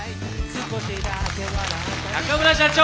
中村社長